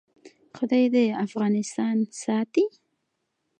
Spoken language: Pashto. خدای دې افغانستان ساتي؟